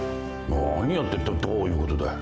何やってるってどういうことだよ。